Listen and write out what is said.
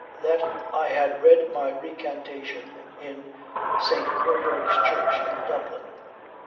that 'I had read my recantation in St. Werburgh's church in Dublin.'